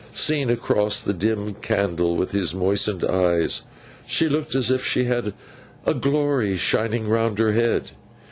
Seen across the dim candle with his moistened eyes, she looked as if she had a glory shining round her head.